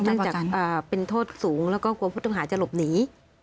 เนื่องจากเป็นโทษสูงแล้วก็กลัวผู้ต้องหาจะหลบหนี